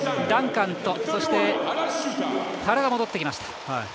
ダンカンと、そして原が戻ってきました。